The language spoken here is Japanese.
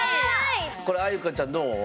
これあゆかちゃんどう？